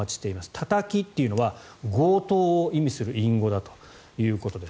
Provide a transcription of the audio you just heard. たたきというのは強盗を意味する隠語だということです。